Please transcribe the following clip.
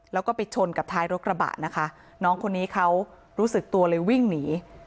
แล้วก็ไปชนกับท้ายรถกระบะนะคะน้องคนนี้เขารู้สึกตัวเลยวิ่งหนี